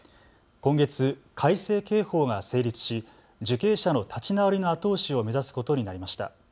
今月、改正刑法が成立し受刑者の立ち直りの後押しを目指すことになりました。